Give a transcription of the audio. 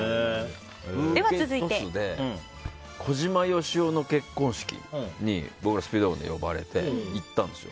ブーケトスで小島よしおの結婚式に僕ら、スピードワゴンで呼ばれて行ったんですよ。